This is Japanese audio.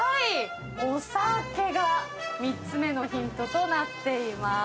お酒が３つ目のヒントとなっています。